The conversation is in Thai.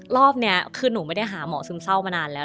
รอบนี้คือหนูไม่ได้หาหมอซึมเศร้ามานานแล้ว